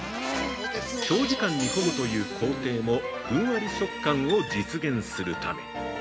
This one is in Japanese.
長時間煮込むという工程もふんわり食感を実現するため。